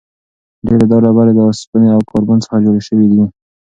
ډېری دا ډبرې له اوسپنې او کاربن څخه جوړې شوې وي.